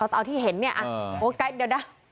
เอาที่เห็นเนี่ยโอ้ไกลเดี๋ยวนะ